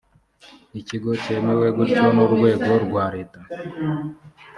ikigo cyemewe gutyo n urwego rwa leta